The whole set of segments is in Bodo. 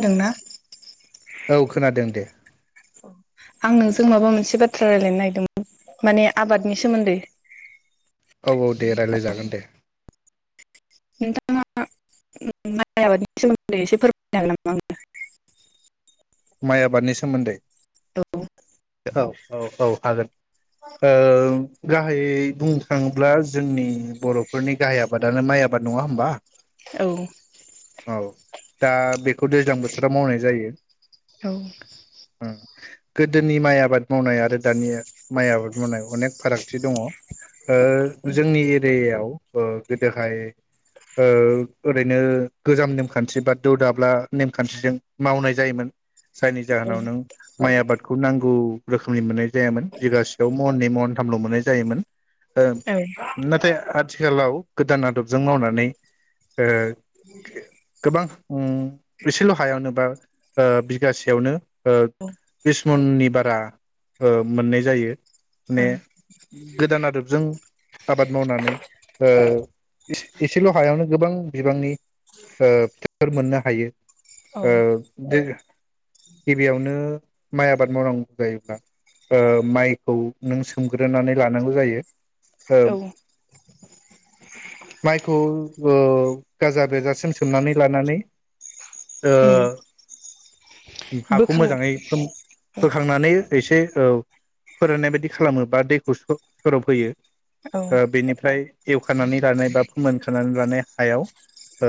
खोनादोंना [unintelligible] औ खोनादों दे। जों माबा मोनसे बाथ्रा रायजलायनो नागिरदोंमोन माने आबादनि सोमोन्दै। औ औ दे रायज्लायजागोन दे। नोंथाङा माइ आबादनि सोमोन्दै एसे फोरमायनो हागोन नामा नोंथा। माइ आबादनि सोमोन्दै। औ। औ औ औ हागोन ओ गाहायै बुंनो थाङोब्ला जोंनि बरफोरनि गाहाय आबादानो माइ आबाद नङा होमबा? औ। औ दा बेखौ दैज्लां बोथोराव मावनाय जायो औ। ओ गोदोनि माइ आबाद मावनाय आरो दानि माइ आबाद मावनाय अनेक फारागथि दङ ओ जोंनि एरियायाव। ओ गोदोहाय ओ ओरैनो गोजाम नेमखान्थि बा दौ दाब्ला नेमखान्थिजों मावनाय जायोमोन। जायनि जाहोनाव नों माइ आबादखौ नांगौ रोखोमनि मोननाय जायामोन बिगासेयाव महननै महनथामल मोननाय जायोमोन। ओम नाथाय आथ आथिखालाव गोदान आदबजों मावनानै ओ गोबां उ एसेल हायावनो बा। ओ बिगासेयावनो ओ औ बिस मननि बारा ओ मोननाय जायो माने गोदान आदबजों आबाद मावनानै ओ एसे एसेल हायावनो गोबां बिबांनि ओ फिथाइफोर मोननो हायो औ ओ। गिबियावनो माइ आबाद मावनांगौ जायोब्ला ओ माइखौ नों सोमग्रोनानै लानांगौ जायो औ ओ माइखौ ओ गाजा बेरजासिम सोमनानै लानानै ओ। उ हाखौ बोखां मोजाङै खोम औ बोखांनानै एसे औ फोराननाय बायदि खालामो बा दैखौ सर सरब होयो औ ओ बेनिफ्राय एवखानानै लानाय बा फोमोन खनानै लानाय हायाव ओ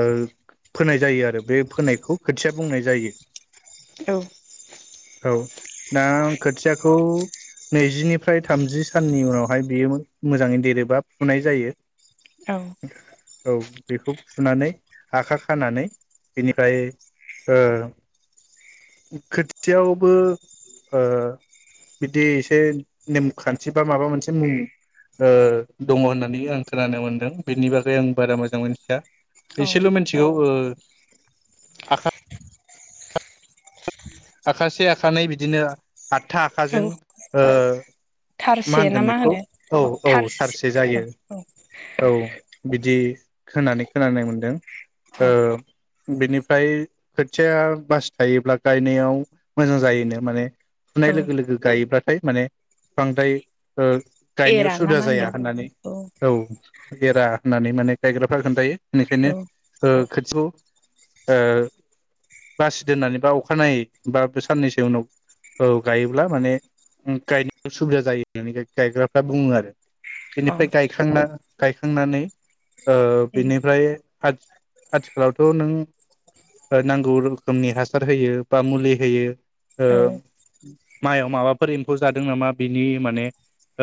फोनाय जायो आरो बे फोनायखौ खोथिया बुंनाय जायो। औ औ दा खोथियाखौ नैजिनिफ्राय थामजि साननि उनावहाय बेयो मोजाङै देरोबा फुनाय जायो औ औ बेखौ फुनानै आखा खानानै बेनिफाय ओ खोथियावबो ओ बिदि एसे नेमखान्थि बा माबा मोनसे मुं ओ दङ' होननानै आं खोनानो मोनदों बेनि बागै आं बारा मोजां मिथिया एसेल मिथिगौ ओ आखा आखासे आखानै बिदिनो आठथा औ आखाजों ओ मा थारसे ना होनगोन बेखौ होनो औ औ थारसे औ जायो औ औ बिदि होनानै खोनानाय मोनदों ओ औ बेनिफाय खोथिया बासि थायोब्ला गायनायाव उ मोजां जायोनो माने फुनाय औ लोगो लोगो गायोब्लाथाय माने बांद्राय ओ गायनायाव एरा ना सुदा मा जाया होननानै होनदों औ। एरा होननानै माने गायग्राफ्रा खोन्थायो बेनिखायनो औ ओ खोथिखौ ओ बासि दोननानै बा अखानायै बा साननैसो उनाव औ गायोब्ला माने ओ गायनायाव सुबिदा जायो होननानै गायग्राफ्रा बुङो आरो। औ अ बेनिफ्राय गायखांना गायखांनानै ओ बेनिफ्राय आथि-आथिखालावथ नों नांगौ रोखोमनि हासार होयो बा मुलि हो होयो ओ औ माइयाव माबाफोर एम्फौ जादों नामा बिनि माने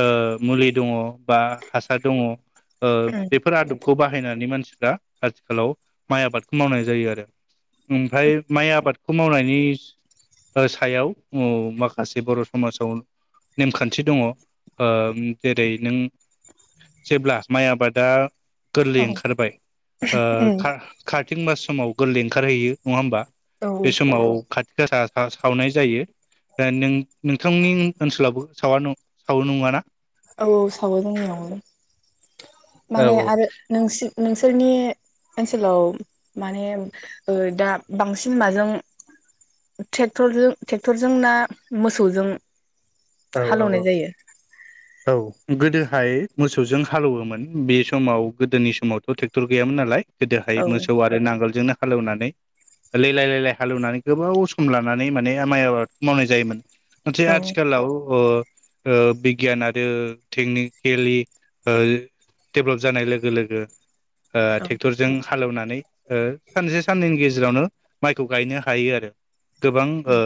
ओ मुलि दङ'बा हासार दङ ओ बेफोर आदबखौ बाहायनानै मानसिफ्रा आथिखालाव माइ आबादखौ मावनाय जायो आरो ओमफाय माइ आबादखौ मावनायनि ओ सायाव औ माखासे बर' समाजाव नेमखान्थि दङ' ओ जेरै नों जेब्ला माइ आबादा गोरलै औ ओंखारबाय ओ का-कार्तिक मास समाव गोरलै ओंखारहैयो नङा होमबा औ बे समाव कात सा सावनाय जायो नों-नोंथांनि ओनसोलावबो सावा नङाना सावो नंङाना? औ औ सावो जोंनावबो औ माने आरो नोंसो नोंसोरनि ओनसोलाव माने ओ दा बांसिन माजों टेकटरजों-ट्रेक्टरजों ना मोसौजों औ औ औ हालौवनाय जायो औ गोदोहाय मोसौजों हालवोमोन बे समाव गोदोनि समावथ' ट्रेक्टर गैयामोन नालाय। गोदोहाय औ मोसौ आरो नांगोल जोंनो हालेवनानै लेलाय लेलाय हालेवनानै गोबाव सम लानानै माने माइ आबाद मावनाय जायोमोन नथाय औ आथिखालाव ओ ओ बिगियान आरो टेकनिकेलि ओ डेबलप जानाय लोगो लोगो ओ औ ट्रेक्टरजों हालेवनानै ओ सानसे साननैनि गेजेरावनो माइखौ गायनो हायो आरो गोबां ओ उम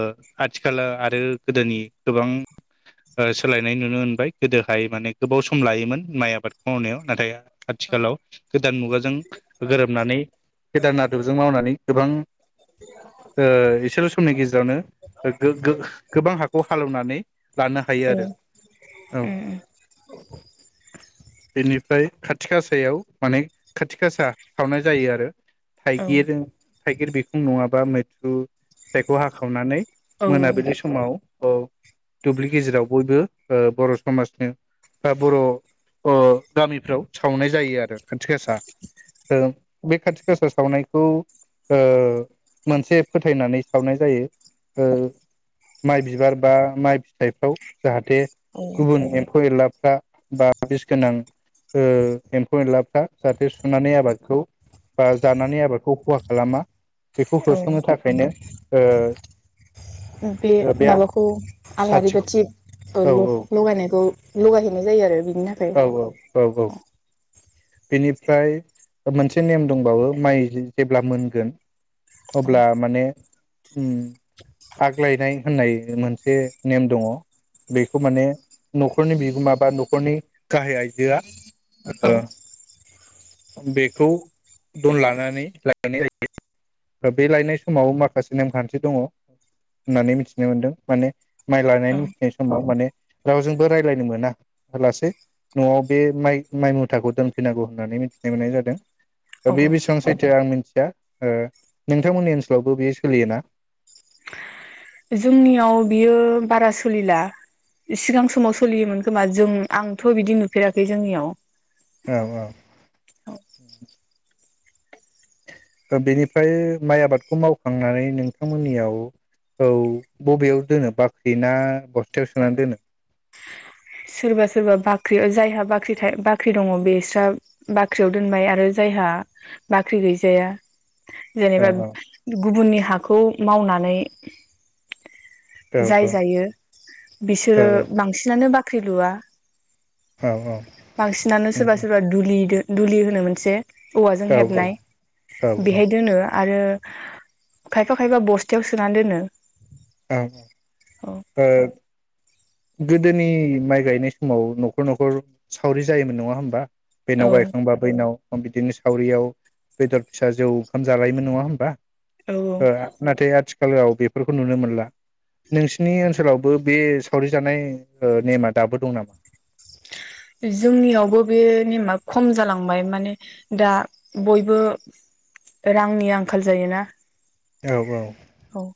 आथिखाल आरो गोदोनि गोबां ओ सोलायनाय नुनो मोनबाय गोदोहाय माने गोबाव सम लायोमोन माइ आबादखौ मावनायाव नाथाय आथिखालाव गोदान मुगाजों गोरोबनानै गोदान आदबजों मावनानै गोबां ओ इसेल' समनि गेजेरावनो गो-गो गोबां हाखौ हालेवनानै लानो हायो आरो औ उम बेनिफ्राय खाथिग आसायाव माने खाथिग आसा सावनाय जायो आरो थाइगिर थाइगिर बिखुं नङाबा मैद्रु फिथाइखौ हाखावनानै औ मोनाबिलि समाव औ। दुब्लि गेजेराव बयबो ओ बर'समाजनि बा बर' ओ गामिफ्राव सावनाय जायो आरो ओखाथि गासा ओ बे खाथि गासा सावनायखौ ओ मोनसे फोथायनानै सावनाय जायो ओ माइ बिबार बा माइ फिथायफ्राव जाहाथे औ गुबुन एम्फौ एनलाफ्रा बा बिस गोनां ओ एम्फौ एनलाफ्रा जाहाथे सुनानै आबादखौ बा जानानै आबादखौ खहा खालामा बेखौ औ होस्रांनो थाखायनो ओ उ बे माबाखौ। आलारि साथि बाथि ओ औ औ ल-लगायनायखौ। उ लगायहैनाय जायो आरो बि औ औ औ औ। बेनिफ्राय मोनसे नेम दंबावो माइ जेब्ला मोनगोन अब्ला माने उम आग लायनाय होननाय मोनसे नेम दङ' बेखौ माने न'खरनि बिगोमा बा न'खरनि गाहाय आइजोआ। औ [unintelligible] बेखौ दन लानानै लायनाय जायो। बे लायनाय समाव माखासे नेमखान्थि दङ' होननानै मिथिनो मोनदों माने माइ लानानै औ मिथिनाय समाव माने रावजोंबो राय्लायनो मोना होलासे न'आव बे माइ माइ मुथाखौ दोनफैनांगौ होननानै मिथिनो मोननाय जादों। दा बे औ बेसां सैथ जों आं मिनथिया ओ। नोंथांमोननि ओनसोलावबो बेयो सोलियो ना? जोंनियाव बियो बारा सोलिला सिगां समाव सोलियोमोन खोमा जों आंथ' बिदि नुफेराखै जोंनियाव। औ औ। ओ बेनिफ्राय माइ आबादखौ मावखांनानै नोंथांमोननियाव औ बबेयाव दोनो बाख्रि ना बस्थायाव सोनानै दोनो? सोरबा सोरबा बाख्रियाव जायहा बाख्रि था बाख्रि दङ बेस्रा बाख्रियाव दोनबाय आरो जायहा बाख्रि गैजाया औ जेनेबा औ गुबुननि हाखौ मावनानै औ जाय जायो बिसोरो औ बांसिनानो बाख ख्रि लुआ। औ औ बांसिनानो औ सोरबा सोरबा दुलिदो दुलि होनो मोनसे औवाजों औ औ हेबनाय बेहाय दोनो आरो खायफा खायफा बस्थायाव सोना दोनो। औ औ ओ। गोदोनि माइ गायनाय समाव न'खर न'खर सावरि जायोमोन नङा होमबा? औ बेनाव गायखांबा बैनाव बिदिनो सावरियाव बेदर फिसा जौ ओंखाम जालायोन नङा होमबा? औ ओ नाथाय आथिख खालाव बेफोरखौ नुनो मोनला नोंसिनि ओनसोलावबो बे सावरि जानाय ओ नेमा दाबो दं नामा? जोंनियावबो बे नेमा खम जालांबाय माने दा बयबो रांनि आंखाल जायोना। औ औ। औ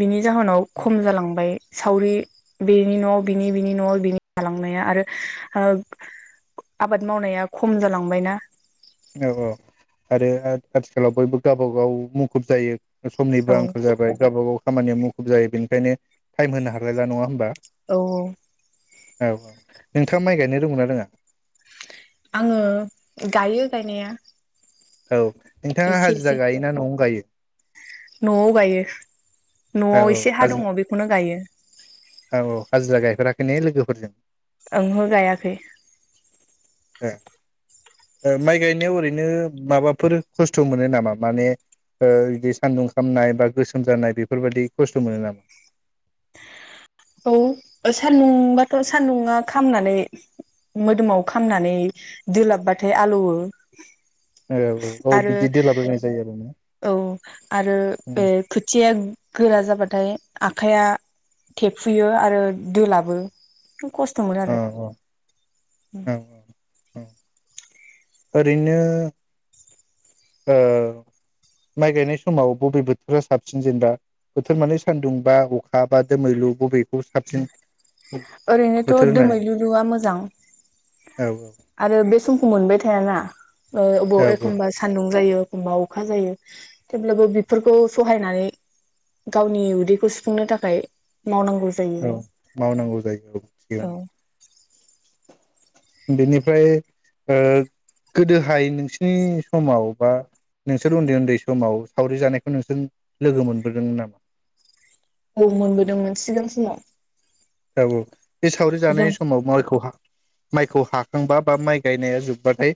बिनि जाहोनाव खम जालांबाय। सावरि बेनि न' बिनि बिनि न' बिनि जालांनाया आरो ओब आबाद मावनाया खम जालांबायना। औ औ आरो आथ आथिखालाव बयबो गावबागाव मुखुब जायो। ओ‌ समनिबो औ आंखाल जाबाय गावबा गाव खामानिया मुखुब जायो बेनिखायनो टाइम होनो हालायला नङा होनबा? औ औ। औ औ नोंथाङा माइ गायनो रोंगौना रोङा? आङो गायो गायनाया। औ। नोंथाङा एसे हाजिरा एसे गायोना न'आवनो गायो? न'आव गायो औ न'आव औ एसे हा हाजि दङ बेखौनो गायो। औ औ हाजिरा गायफेराखै ने लोगोफोरजों? ओंहो‌ गायाखै। ए ओ माइ गायनायाव ओरैनो माबाफोर खस्थ मोनो नामा माने ओ इदि सान्दुं खामनाय बा गोसोम जानाय बेफोरबायदि खस्थ मोनो नामा? औ सान्दुंबाथ' सान्दुंङआ खामनानै मोदोमाव खामनानै दोलाबबाथाय आलौओ। औ औ औ आरो बिदि देलाबायनाय जायो आरो ना औ आरो बे उम खोथिया गोरा जाबाथाय। आखाइया थेफुयो आरो दोलाबो। खस्थमोनो आरो। औ औ औ औ ओरैनो ओ‌ माइ गायनाय समाव बबे बोथोरा साबसिन जेनेबा बोथोर माने सानदुं बा अखा बा दोमैलु बबेखौ साबसिन? ओरैनोथ बोथोर होननानै दोमैललुआ मोजां औ आरो बे सम मोनबाय थायाना। ओ‌ औ अबाव औ औ एखनबा सान्दुं जायो। एखमबा अखा जायो थेवब्लाबो बेफोरखौ सहायनानै गावनि उदैखौ सुफुंनो थाखाय मावनांगौ जायो औ मावनांगौ। जायखौ थिया औ बेनिफ्राय ओ गोदोहाय नोंसिनि समाव बा नोंसोर उन्दै उन्दै समाव सावरि जानायखौ नोंसोर लोगो मोनबोदों नामा? औ मोनबोदोंमोन सिगां समाव औ‌ औ। बे सावरि जानाय जों समाव माइखौहा माइखौ हाखांबा बा माइ गायनाया जोब्बाथाय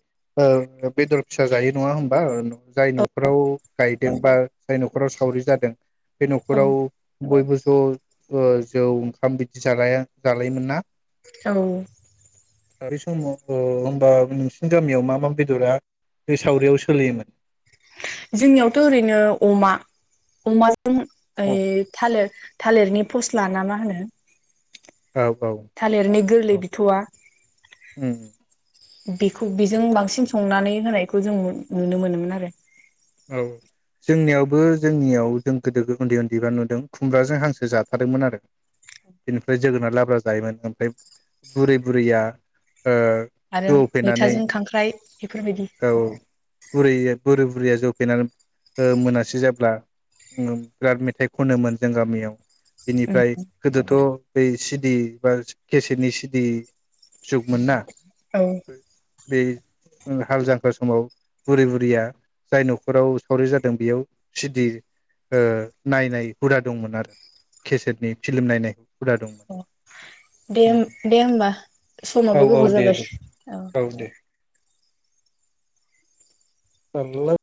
बेदर फिसा जायो नङा होमबा जाय नखराव गायदों बा जाय नखराव सावरि जादों। बे औ नखराव बयबो ज' थ‌ ओ‌ जौ ओंखाम बिदि जालाया जालायोमोन ना औ आरो‌ बे समाव होनबा नोंसिनि गामियाव मा मा बेदरा बे सावरियाव सोलियोमोन। जोंनियावथ‌' ओरैनो अमा अमाजों ओ औ ए थालिर थालिरनि फसला ना मा होनो औ औ थालिरनि गोरलै बिथौवा बेखौ बेजों बांसिन संनानै होनायखौ जों नुनो मोनोमोन आरो। औ जोंनियावबो जोंनियाव जों गोदो उन्दै उन्दैफ्रा नुदों खुमब्राजों हांसो जाथारमोन आरो बेनिफ्राय जोगोनार लाब्रा जायोमोन ओमफ्राय बुरै बुरैया ओ आरो जौ फेनानै मैथाजों खांख्राइ बेफोरबायदि औ बुरै बोरै बुरैया जोब फेनानै मोनासै जाब्ला बिराद मेथाइ खनोमोन जों गामियाव। बेनिफ्राय गोदोथ' बै सिडि बा केसेटनि सिडि जुगमोन ना। औ बे हाल जांख्रा समाव बुरै बुरैया जाय नखर फोराव सावरि जादों बेयाव सिडि नायनाय हुदा दंमोन आरो केसेटनि फिल्म नायनाय। हुदा दंमोन। दे दे होमबा औ समाबो औ गोबाव दे जाबाय दे औ [unintelligible]